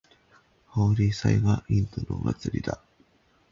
ホーリー祭はインドのお祭りだ。